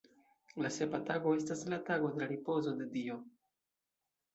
La sepa tago estas la tago de la ripozo de Dio.